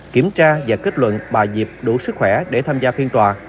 kiểm tra và kết luận bà diệp đủ sức khỏe để tham gia phiên tòa